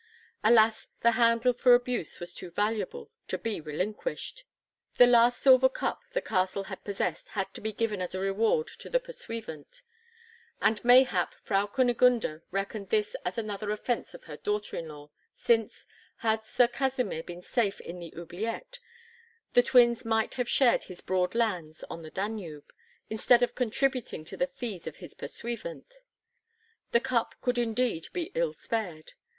Alas! the handle for abuse was too valuable to be relinquished. The last silver cup the castle had possessed had to be given as a reward to the pursuivant, and mayhap Frau Kunigunde reckoned this as another offence of her daughter in law, since, had Sir Kasimir been safe in the oubliette, the twins might have shared his broad lands on the Danube, instead of contributing to the fees of his pursuivant. The cup could indeed be ill spared.